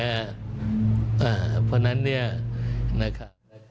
เอาล่ะนะคะ